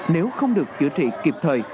nếu không được chữa trị kịp thời